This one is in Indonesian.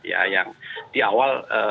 ya yang di awal